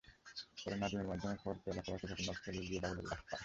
পরে নাজিমের মাধ্যমে খবর পেয়ে এলাকাবাসী ঘটনাস্থলে গিয়ে বাবুলের লাশ পায়।